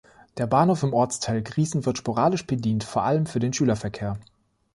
Der Bahnhof im Ortsteil Grießen wird sporadisch bedient, vor allem für den Schülerverkehr.